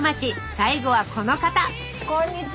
最後はこの方こんにちは。